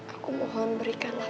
aku mohon berikanlah